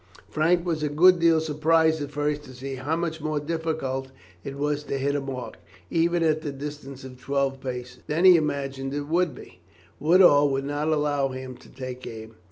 Frank was a good deal surprised at first to see how much more difficult it was to hit a mark, even at the distance of twelve paces, than he imagined that it would be. Woodall would not allow him to take aim.